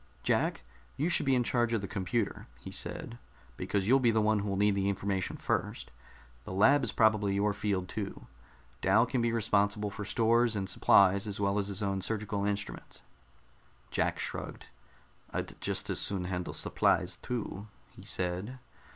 "Jack, you should be in charge of the computer," he said, "because you'll be the one who'll need the information first. The lab is probably your field too. Dal can be responsible for stores and supplies as well as his own surgical instruments." Jack shrugged. "I'd just as soon handle supplies, too," he said.